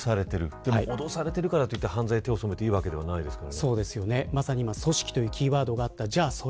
でも脅されてるかといって犯罪に手を染めていいわけではないですからね。